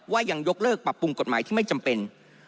ยังยกเลิกปรับปรุงกฎหมายที่ไม่จำเป็น